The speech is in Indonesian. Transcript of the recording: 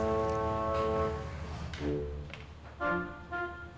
gak kecanduan hp